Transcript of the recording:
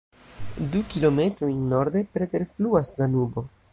Du kilometrojn norde preterfluas Danubo.